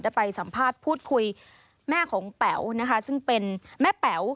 ได้ไปสัมภาษณ์พูดคุยแม่แป๋ว